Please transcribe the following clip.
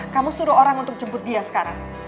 kamu suruh orang untuk jemput dia sekarang